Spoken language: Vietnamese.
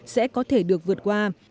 sẽ có thể được vượt qua